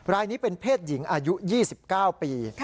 รายนี้เป็นเพศหญิงอายุ๒๙ปี